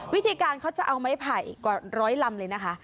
วิธีการเขาจะเอาไม้ไผ่กว่าร้อยลำเลยนะคะ